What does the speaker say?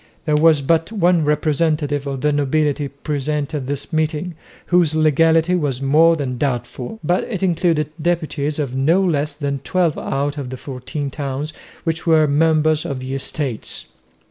There was but one representative of the nobility present at this meeting, whose legality was more than doubtful, but it included deputies of no less than twelve out of the fourteen towns which were members of the Estates.